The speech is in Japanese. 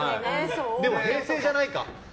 でも平成ＪＡないか。